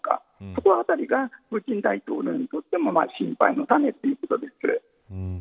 そのあたりがプーチン大統領にとっても心配の種ということです。